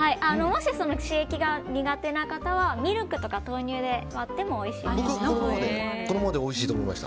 もし、刺激が苦手な方はミルクとか豆乳とかで割ってもおいしいと思います。